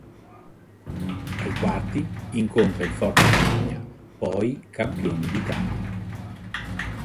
Ai quarti incontra il forte Catania, poi Campione d'Italia.